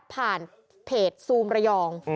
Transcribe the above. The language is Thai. ผ่านสูมสูมระยอง